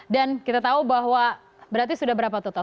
dan kita tahu bahwa berarti sudah berapa total